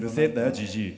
じじい。